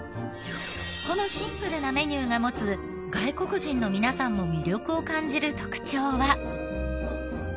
このシンプルなメニューが持つ外国人の皆さんも魅力を感じる特徴は。